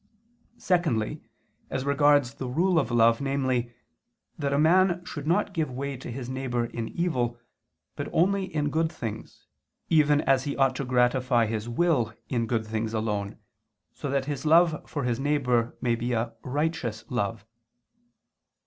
Secondly, as regards the rule of love, namely, that a man should not give way to his neighbor in evil, but only in good things, even as he ought to gratify his will in good things alone, so that his love for his neighbor may be a righteous love.